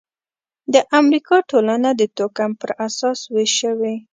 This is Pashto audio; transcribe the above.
د امریکا ټولنه د توکم پر اساس وېش شوې.